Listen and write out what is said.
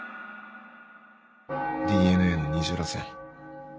ＤＮＡの二重らせん。